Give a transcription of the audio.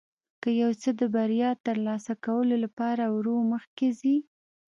که یو څوک د بریا ترلاسه کولو لپاره ورو مخکې ځي.